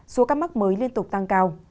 số các mắc mới liên tục tăng cao